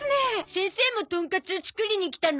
先生もトンカツ作りに来たの？